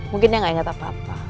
mungkin dia gak ingat apa apa